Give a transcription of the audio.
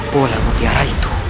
boleh mutiara itu